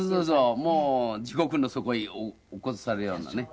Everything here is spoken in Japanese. もう地獄の底へ落っことされるようなね。